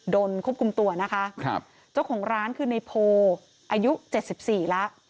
โดนควบคุมตัวนะคะจ้าของร้านคือในโพลอายุ๗๔แล้ว